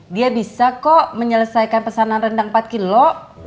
dia bisa kok menyelesaikan pesanan rendang empat kilo